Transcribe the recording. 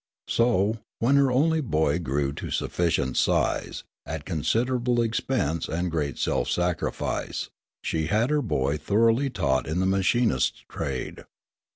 So, when her only boy grew to sufficient size, at considerable expense and great self sacrifice, she had her boy thoroughly taught the machinist's trade.